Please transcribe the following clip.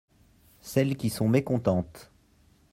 Celles qui sont mécontentes.